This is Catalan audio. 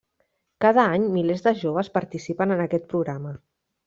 Cada any, milers de joves participen en aquest programa.